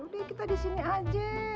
udah kita di sini aja